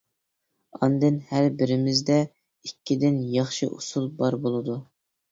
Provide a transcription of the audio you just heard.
ئاندىن ھەر بىرىمىزدە ئىككىدىن ياخشى ئۇسۇل بار بولىدۇ.